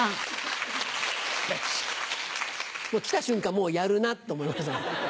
来た瞬間やるなって思いました。